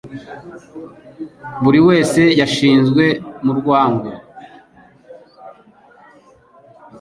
Buri wese yashizwe mu rwango;